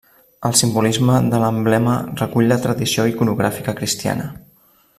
El simbolisme de l'emblema recull la tradició iconogràfica cristiana.